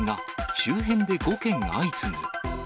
周辺で５件相次ぐ。